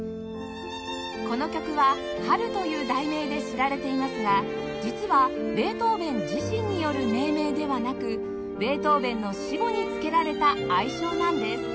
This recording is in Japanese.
この曲は『春』という題名で知られていますが実はベートーヴェン自身による命名ではなくベートーヴェンの死後につけられた愛称なんです